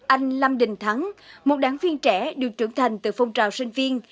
anh lâm đình thắng một đảng viên trẻ được trưởng thành từ phong trào sinh viên